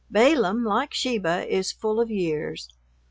Balaam, like Sheba, is full of years.